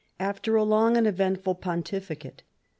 after a long and eventful pontificate.